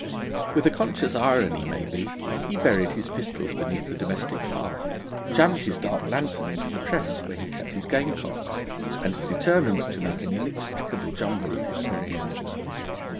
With a conscious irony, maybe, he buried his pistols beneath the domestic hearth, jammed his dark lantern into the press, where he kept his game cocks, and determined to make an inextricable jumble of his career.